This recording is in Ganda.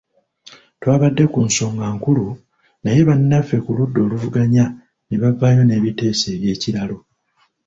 Twabadde ku nsonga nkulu naye bannaffe ku ludda oluvuganya ne bavaayo n’ebiteeso eby’ekiralu .